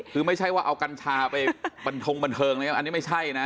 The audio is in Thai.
คือไม่ใช่ว่าเอากัญชาไปบันทงบันเทิงเลยนะอันนี้ไม่ใช่นะ